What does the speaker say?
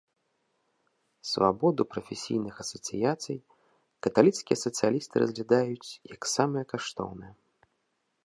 Свабоду прафесійных асацыяцый каталіцкія сацыялісты разглядаюць, як самае каштоўнае.